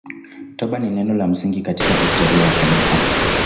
Toba ni neno la msingi katika historia ya Kanisa.